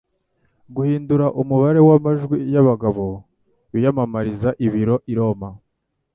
guhindura umubare wamajwi yabagabo biyamamariza ibiro i Roma .